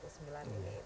tulis di negara itu